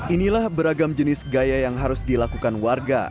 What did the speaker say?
inilah beragam jenis gaya yang harus dilakukan warga